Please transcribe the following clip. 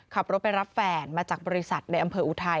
ขับรถไปรับแฟนมาจากบริษัทในอำเภออุทัย